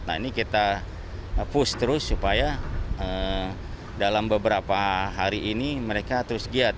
nah ini kita push terus supaya dalam beberapa hari ini mereka terus giat